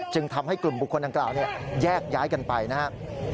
ทำให้กลุ่มบุคคลดังกล่าวแยกย้ายกันไปนะครับ